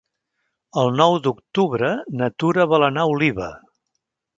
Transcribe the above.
El nou d'octubre na Tura vol anar a Oliva.